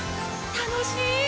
楽しい！